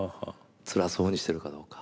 つらそうにしてるかどうか。